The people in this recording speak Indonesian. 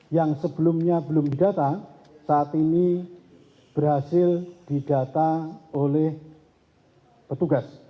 yang sebelumnya belum didata saat ini berhasil didata oleh petugas